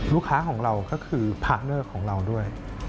ลูกค้าของเราก็คือพาร์ทเนอร์ของเราด้วย